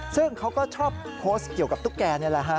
ซึ่งเขาก็ชอบโพสต์เกี่ยวกับตุ๊กแก่นี่แหละฮะ